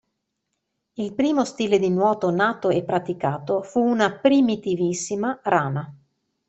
Il primo stile di nuoto nato e praticato fu una primitivissima rana.